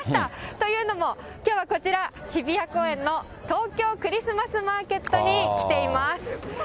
というのも、きょうはこちら、日比谷公園の東京クリスマスマーケットに来ています。